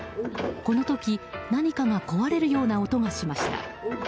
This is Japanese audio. この時、何かが壊れるような音がしました。